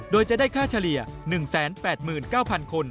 โดยจะได้ค่าเฉลี่ย๑๘๙๐๐คน